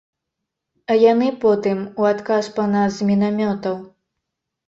А яны потым у адказ па нас з мінамётаў.